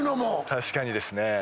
確かにですね。